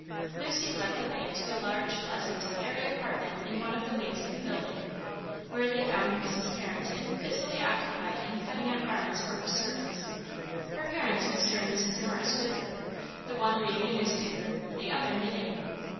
Lucy led the way to a large pleasant, airy apartment in one of the wings of the building, where they found Mrs. Carrington busily occupied in cutting out garments for her servants, her parents Mr. and Mrs. Norris with her, the one reading a newspaper, the other knitting.